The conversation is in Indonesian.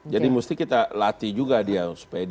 jadi mesti kita latih juga dia